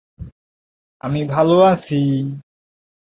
জাদুকরেরা আয়নায় একধরনের দৃষ্টিভ্রম তৈরি করে দর্শকদের মুগ্ধ করতে পারেন।